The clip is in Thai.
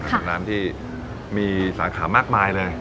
เป็นร้านที่มีสาขามากมายเลย